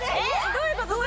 どういうこと？